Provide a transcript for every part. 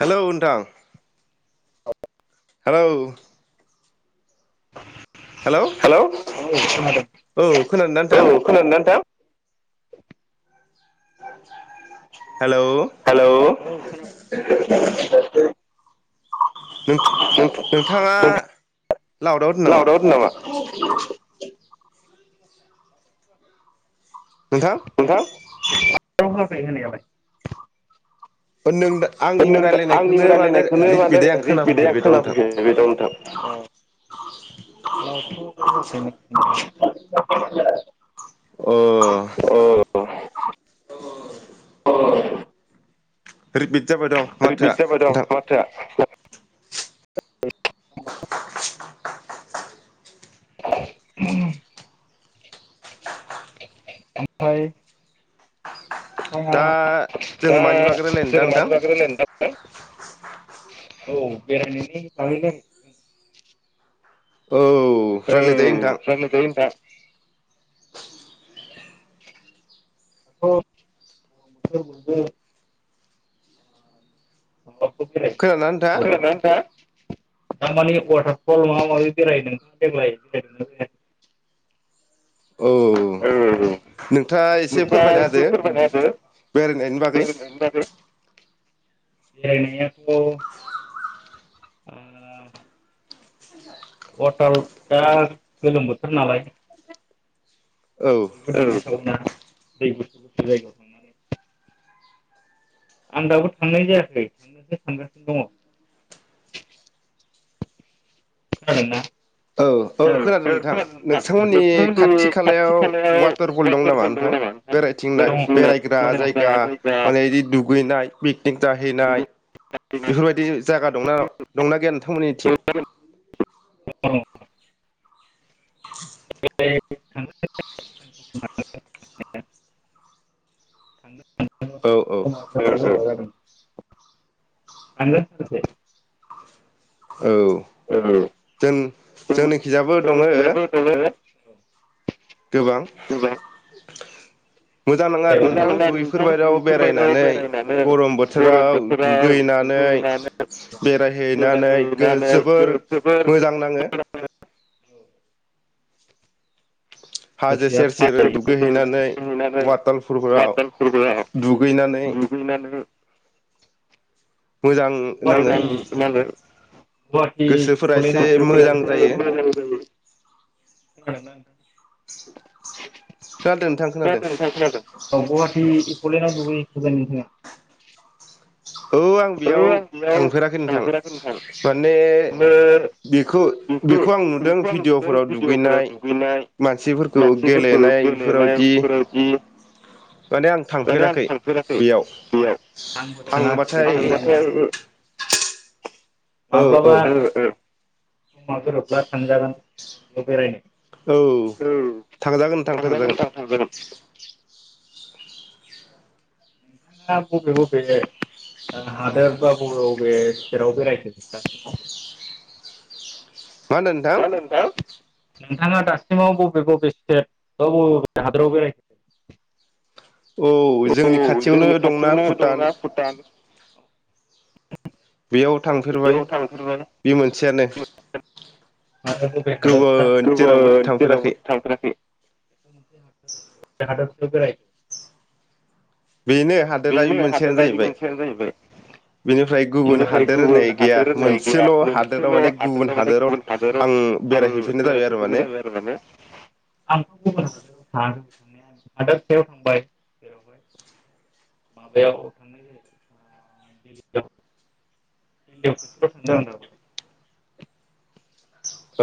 Hello नोंथां। Hello hello औ खोनादों खोनादों ना नोंथां औ खोनादों ना नोंथां। [unintelligible] हेलौ हालौ [unintelligible] नोंथ' नोंथ' नोंथ' लाउदाव दोन लावदाव होदों नामा? नोंथां नोंथां होखै होनायालाय। नों ओ आंनि नोंदो आंनि रायलायनायखौनो मानो रायलायनायखोनो माने रिपिदै आं रिपिदै आं खोनाफैफिनबाय दं खोना नोंथां फैफिनो। [unintelligible] नोंथां अ' दाथ' [unintelligible] अ' अ' [unintelligible] रिपिद जाबाय दं माथोआ नोंथां। था [unintelligible] [inaudible] उम ओमफाय थाङा दा जों दा मानि बागै रायलायनो जों दा नोंथां मानि बागै रायलायनो नोंथां? थां औ बेरायनायनि बागैनो औ रायलाय जायो नोंथां। [unintelligible] नोंथां। [inaudible] [unintelligible] [unintelligible] खोनादोंना नोंथाङा खोनादोना नोंथाङा? थारमाने अवाथार पल माबा माबि बेराय नोंथाङा देग्लाय बेरायदों ना बेरायाखै? औ औ उम नोंथाङा एसे नोंथाङा फोरमायना एसे होदो फोरमायना होदो बेरायनायनि बागै। बागै बेरायनायाथ' आ [unintelligible] अवाटाल दा गोलोम बोथोर नालाय। औ औ [unintelligible] साव ना दै गुसु गुसु जायगायाव थां आं दाबो थांनाय जायाखै थांनोसो सानगासिनो दङ। खोनादों ना? औ औ खोनादों नोंथां। नोंथांमोननि खाथि खालायाव अवाटार फल दं नामा नोंथां? बेरायथिंनाय बेरायग्रा जायगा माने इदि दुगैनाय पिकनिक जाहैनाय जायगा बेफोरबायदि जायगा दंना दंना गैया नोंथांमोननिथिं? [unintelligible] [inaudible] [unintelligible] औ औ उम उम आङो [unintelligible] औ औ। जों जोंनिखियाबो दङो। बेयावनो। गोबां। गोबां। मोजां नाङा आरो नोंथां नोंथां दुइफोरबाययाव बेफोरबायदियाव बेरायनानै बेरायनानै गरम बोथोराव दुगैनानै बेरायहैनानै गो बेरायहैनानै जोबोर जोबोर मोजां नाङो। सेर दुगैहैनानै वाटारफुलफोराव दुगैनानै। नोंनानै। मोजां। नाङै गोसोफोरा एसे मोजां जायो [unintelligible] [inaudible] खोनादों नोंथां। खोनादों [unintelligible] औ आं बेयाव आं बेयाव थांफेराखै नोंथां थांफेराखै नोंथां माने आङो बेखौ बेखौ आं नुदों बेखौ आं नुदों भिडिअ'फोराव भिडिअफोराव दुगैनाय। दुगैनाय मानसिफोरखौ मानसिफोरखौ गेलेनाय गेलेनाय बेफोरबायाददि बेफोरबायदि माने आं थांफेराखै बेयाव बेयाव थांबाथाय। औ औ [unintelligible] गोरोबब्ला थांजागोन बेरायनो। औ औ थांजागोन नोंथां थांजागोन। आ बबे बबे ओ हादोर बबे बबे सेराव बेराय मा होनदों नोंथां। मा होनदों नोंथां नोंथाङा दासिमाव बबे स्टेट बा बबे बबे हादोराव बेरायखो। औ जोंनि औ खाथियावनो जोंनि दंना खाथियावनो भुटान। दंना भुटान। बेयाव थांफेरबाय बेयाव थांफेरबाय बे मोनसेयानो। जेरावबो गुबुन जेरावबो थांफेराखै। थांफेराखै बबे हादोरसा बेरायखो। बेनो। हादोरा बे बेनो मोनसेयानो हादोरारि जाहैबाय मोनसेया जाहैबाय। बेनिफ्राय गुबुन बेनिफ्राय हादोर होननाय गुबुन गैया हादोर होननाय गैया मोनसेल' हादोराव मोनसेल' माने गुबुन हादोर हादोराव हादोर आं आं बेरायहैफिननाय जाबाय बेराय आरो फुनो माने बायो आरो मानो [unintelligible] [unintelligible] माबायाव। [inaudible] [unintelligible]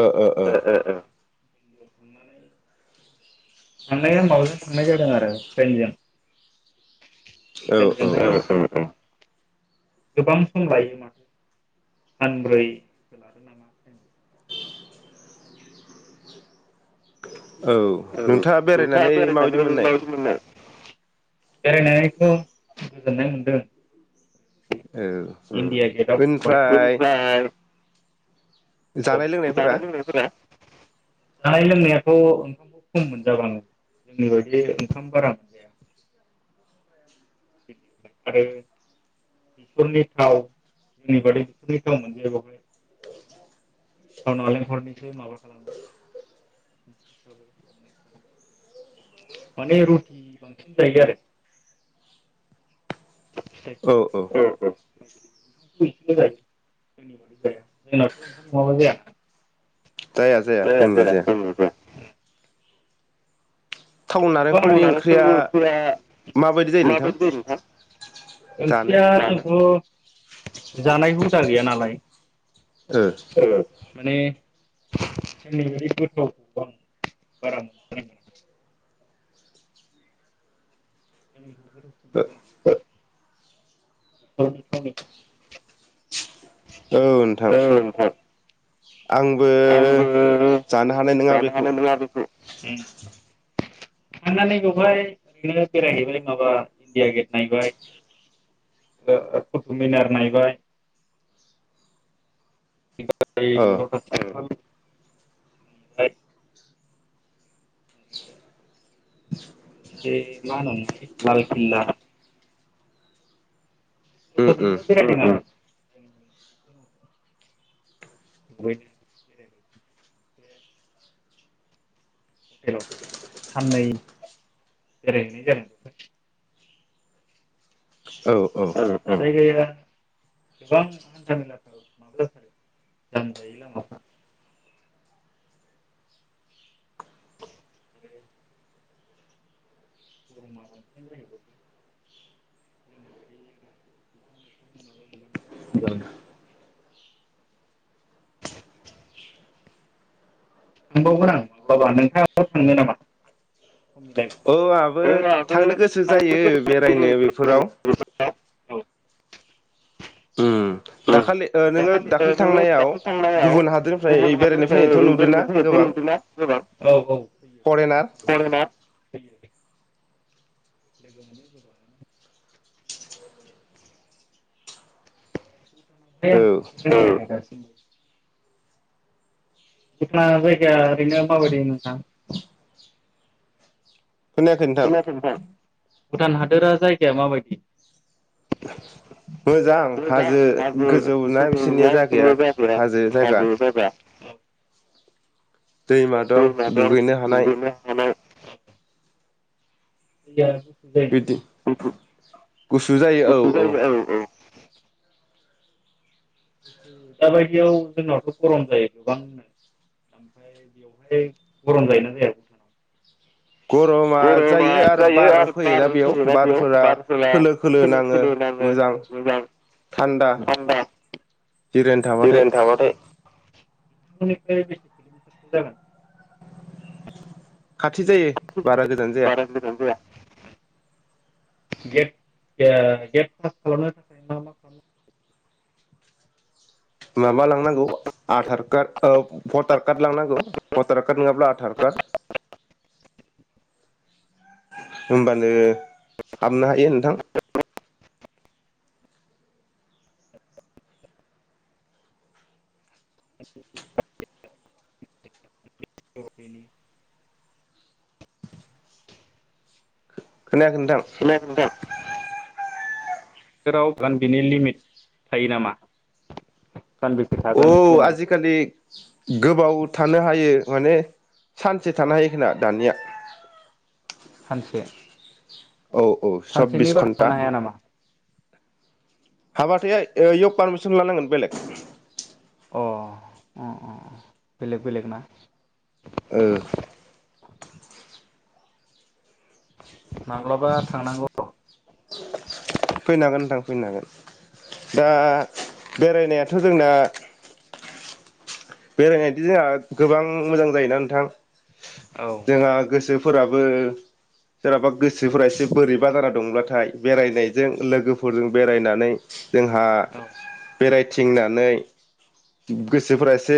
ओ ओ ओ। थांनाया माजों थांनाय जादों आरो क्तनजों। औ औ तेनजों उम उम उम। गोबां सम लायो माथो सानब्रै। लादो नामा थाएम। औ ओ ओ औ नोंथाङा बेरायनानै मा बायदि मोननाय? बेरायनानैथ' गोजोननाय मोनदों। औ इन्दिया गेदाव ओमफ्राय थांबाय औ जानाय लोनाय फोरा जानाय लोंनायाथ' ओंखामखौ खम मोनजाबाङो जोंनि बायदि ओंखाम बारा बिदिनो आरो बेसरनि थाव जोंनि बादि बेसरनि थाव मोनजाया बेवहाय थाव नालेंखरनिसो माबा खालामो माने रुटि बांसिन जायो आरो फिथाय सामथाइ औ औ ओंखाम एसेल जायो जोंनियाथ‍' ओंखाम नङाबानो जाया। जाया जाया जोंनिया जाया। ओं दे थाव गोबां थाव नारेंखलनि नालेंखरनि ओंख्रिया माबायदि जायो नोंथां? जानो ओंख्रिया जोंथ' जानाय हुदा गैया नालाय ओ माने जोंनि बायदि गोथावखौ आं बारा मोना जोंनिखौ गोथाव ओ [inaudible] औ नोंथां औ नोंथां आंबो आंबो जानो हानाय नङा बेखौ। हानाय नंङा बिखौ। उम थांनानै बेवहाय ओरैनो बेरायहैबाय माबा इन्डिया गेट नायबाय। ओ ओ कटुक मिनार नायबाय ओरै औ लथास तेमपोल बे मा होनोमोनलाय लाल किल्ला उम उम [inaudible] हटेलाव थानानै साननै बेरायहैनाय जादों बेहाय। औ औ औ औ जायगाया गोबां हान्था मेलाफोर जाथारो लामाफोरा जाम जासोगारो [inaudible] [inaudible] [inaudible] थांबावगोन आं माब्लाबा नोंथाङाबो थांनो नामा? औ आंहाबो जोंनाबो थांनो गोसो जायो बेरायनो बेफोराव। उम दाखालि ओ नोङो दाखालि नोङो थांनायाव दाखालि थांनायाव गुबुन हादोरनिफ्राय गुबुन बेरायनो फैनायथ' हादरनिफ्राय नुदोंना बेरायनो फैनायखौ गोबां नुदोंना? गोबां औ औ फैयो। फरेनार परेनार लोगो मोनो गोबांनो। औ [inaudible] दखना जायगाया ओरैनो मा बायदिमोन नोंथां? खोनायाखै नोंथां भुटान हादोरा जायगाया मा बायदि? [inaudible] मोजां हाजो हाजो गोजौ गोजौ बिसोरनिया ना जागाया जिखुनु जायगाया हाजो हाजो जायगा। [inaudible] दैमा दं दुगैनो हानाय। दैया गुसु जायो बिदि गुसु गुसु जायो औ गुसु जायो औ औ। दाबायदियाव जोंनावथ' गरम जायो गोबांनो। बेवहाय गरम जायोना जाया? गरमा जायो आरो बार फैयोना बेयाव बार फैब्ला खोलो खोलो नाङो। मोजां थान्दा थानदा जिरायना थाबाथाय। नोंथांमोननिफ्राय बेसे किल'मिटारसो जागोन? खाथि जायो बारा गोजान [unintelligible] जाया बारा गोजान जाया। गेट ओ गेट पास खालामनो थाखाय मा मा [unintelligible] माबा लांनांगौ आधार कार्ड भटार कार्ड लांनांगौ। भतार कार्ड नङाब्ला आदार कार्ड होमबानो हाबनो हायो नोंथां। अ बेनि खोनायाखै नोंथां? खोनायाखै नोंथां? [unintelligible] लिमिथ थायो नामा औ आजिखालि गोबाव थानो हायो माने सानसे थानो हायो खोमा दानिया। सानसे औ औ सब्बिस सानसेनि बारा घन्टा थानो हाया नामा? हाबाथाय ओयाव पारमिसन लानांगोन बेलेग। अ अ अ अ बेलेग बेलेग ना? ओ माब्लाबा थांनांगौ [unintelligible] फैनो हागोन नोंथां फैनो हागोन दा बेरायनायाथ' जोंना बेरायनायदो जाया गोबां मोजां जायोना नोंथां? औ जोङा गोसोफोराबो सोरहाबा गोसोफोरा एसे बोरैबा जाना दंब्लाथाय बेरायनायजों लोगोफोरजों बेरायनानै जोंहा बेरायथिंनानै गोसोफोरा एस से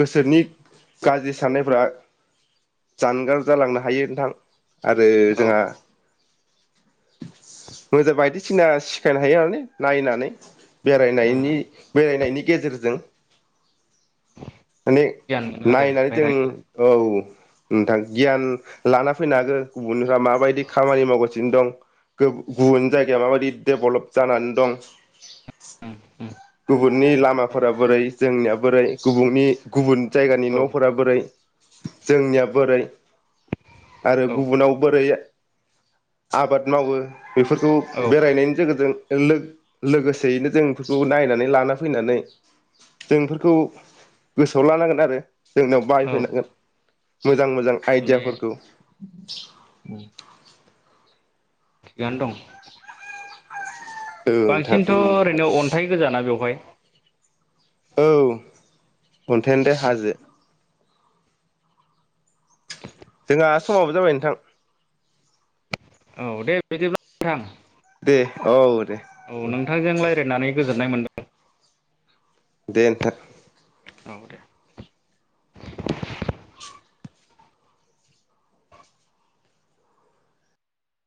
गोसोनि गाज्रि साननायफोरा जानगार जालांनो हायो नोंथां आरो जोंहा मोजां बायदिसिना सिखायनो हायो आरो ने नायनानै बेरायनायनि बेरायनायनि गेजेरजों माने नायनानै जों औ नोंथां गियान लाना फैनो हागो गुबुनफोरा माबायदि खामानि मावगासिनो दं। गोब गुबुन जायगाया माबायदि डेभलप जानानै दं गुबुननि लामाफोरा बोरै जोंनिया बोरै गुबुनि गुबुन जायगानि न'फोरा बोरै जोंनिया बोरै आरो गुबुनाव बोरै आबाद मावो बेफोरखौ बेरायनायनि जोगोजों लोग लोगोसेयैनो जों बेफोरखौ नायनानै लाना फैनानै जों इफोर खौ गोसोआव लानांगोन आरो जोंनियाव बाहायफैनांगोन मोजां मोजां आइडियाफोरखौ थिगानो दं औ नोंथां बांसिनथ' ओरैनो अन्थाइ गोजाना बेवहाय औ अन्थायानो दे हाजो जोंहा समाबो जाबाय नोंथां। औ दे बिदिब्ला नोंथां दे औ दे औ नोंथांजों रायलायनानै गोजोननाय मोनदों दे नोंथां